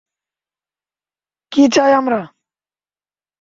কী চাই আমরা?